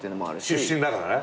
出身だからね。